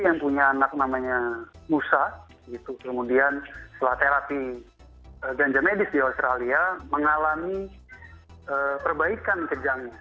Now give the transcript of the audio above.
yang punya anak namanya musa kemudian setelah terapi ganja medis di australia mengalami perbaikan kejangnya